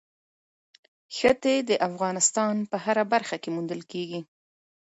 ښتې د افغانستان په هره برخه کې موندل کېږي.